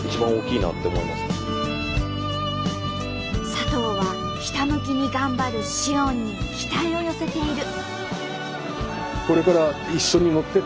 佐藤はひたむきに頑張る詩音に期待を寄せている。